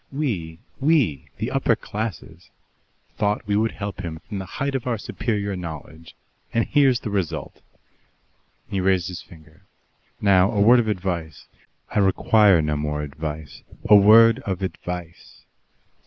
We we, the upper classes thought we would help him from the height of our superior knowledge and here's the result!" He raised his finger. "Now, a word of advice." "I require no more advice." "A word of advice.